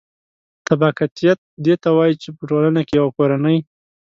طبقاتیت دې ته وايي چې په ټولنه کې یوه کورنۍ